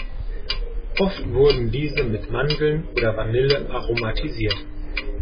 Oft wurden diese mit Mandeln oder Vanille aromatisiert.